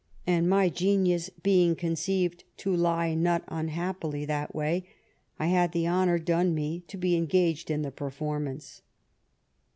And my genius being conceived to lie not unhappily that way, I had the honour done me to be engaged in the performance."